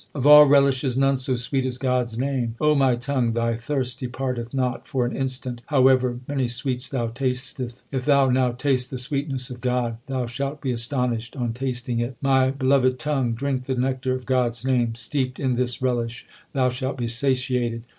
Of all relishes none so sweet as God s name : my tongue, thy thirst departeth not for an instant, However many sweets thou tasteth. If thou now taste the sweetness of God, Thou shalt be astonished on tasting it. My beloved tongue, drink the nectar of God s name : Steeped in this relish thou shalt be satiated.